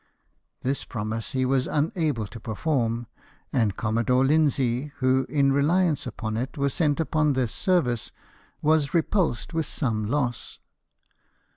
This promise he was AT CORSICA. 67 unable to perform ; and Commodore Linzee, who, in reliance upon it, was sent upon this service, was re pulsed with some loss.